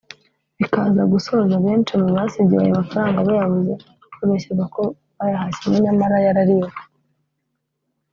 bikaza gusoza benshi mu basigiweyo ayo mafaranga bayabuze (babeshyerwa ko bayahashyemo nyamara yarariwe